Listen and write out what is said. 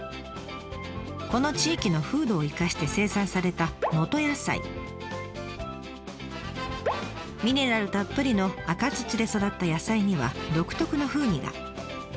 この地域の風土を生かして生産されたミネラルたっぷりの赤土で育った野菜には独特の風味が。